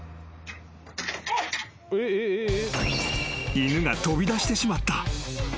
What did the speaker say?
・［犬が飛び出してしまった］